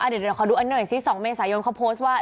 เดี๋ยวขอดูอันหน่อยซิ๒เมษายนเขาโพสต์ว่า